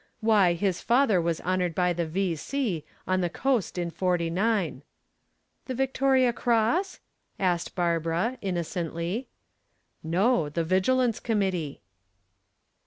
"Why, his father was honored by the V. C, on the coast in '49." "The Victoria Cross?" asked Barbara, innocently. "No, the vigilance committee."